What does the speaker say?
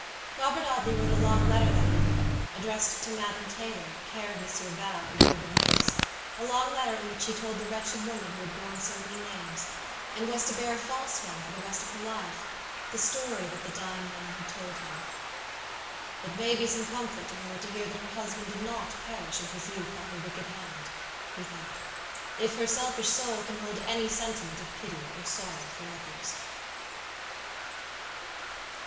Robert Audley wrote a long letter that evening, addressed to Madame Taylor, care of Monsieur Val, Villebrumeuse; a long letter in which he told the wretched woman who had borne so many names, and was to bear a false one for the rest of her life, the story that the dying man had told him. "It may be some comfort to her to hear that her husband did not perish in his youth by her wicked hand," he thought, "if her selfish soul can hold any sentiment of pity or sorrow for others."